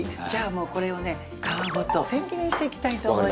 もうこれをね皮ごと千切りにしていきたいと思います